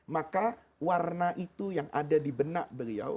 maka warna itu yang ada di benak beliau